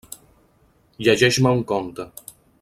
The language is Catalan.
Llegeix-me un conte.